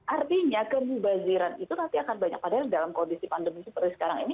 ertinya kembunyian mankind itu pasti akan banyak padahal dalam pandemi yang seperti sekarang ini